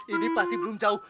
ini pasti belum jauh